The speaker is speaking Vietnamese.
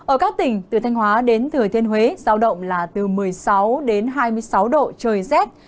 ở các tỉnh từ thanh hóa đến thừa thiên huế giao động là từ một mươi sáu đến hai mươi sáu độ trời rét